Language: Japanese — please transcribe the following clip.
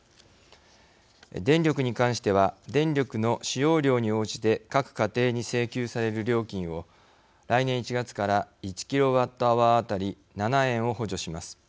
電力に関しては電力の使用量に応じて各家庭に請求される料金を来年１月から１キロワットアワー当たり７円を補助します。